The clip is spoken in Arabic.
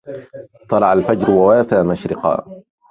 طلع الفجر ووافى مشرقا